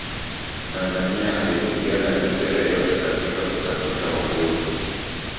tanzania haikupigana vita yoyote katika kutafuta uhuru